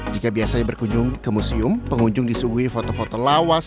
jika biasanya berkunjung ke museum pengunjung disuguhi foto foto lawas